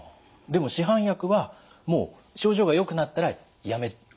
でも市販薬はもう症状がよくなったらやめる？